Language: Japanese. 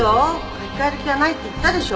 書き換える気はないって言ったでしょ。